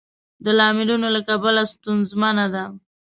د لاملونو له کبله ستونزمنه ده.